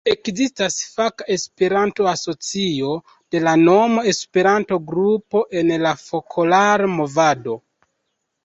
Ekzistas faka Esperanto-asocio de la nomo Esperanto-grupo en la Fokolar-Movado.